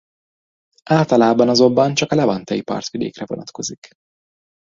Általában azonban csak a levantei partvidékre vonatkozik.